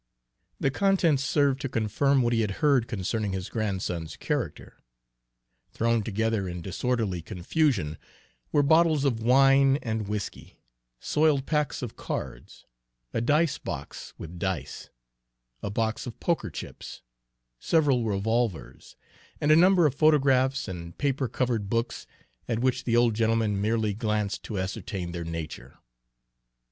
The contents served to confirm what he had heard concerning his grandson's character. Thrown together in disorderly confusion were bottles of wine and whiskey; soiled packs of cards; a dice box with dice; a box of poker chips, several revolvers, and a number of photographs and paper covered books at which the old gentleman merely glanced to ascertain their nature.